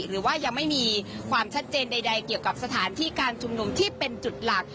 หรือว่ายังไม่มีความชัดเจนใดเกี่ยวกับสถานที่การชุมนุมที่เป็นจุดหลัก